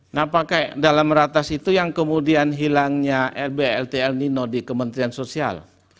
nah pakai dalam ratas itu yang kemudian hilangnya rblt el nino di kementerian sosial